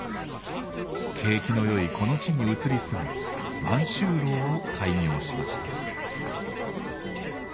景気の良いこの地に移り住み満州楼を開業しました。